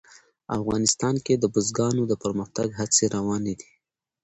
افغانستان کې د بزګانو د پرمختګ هڅې روانې دي.